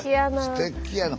すてきやな。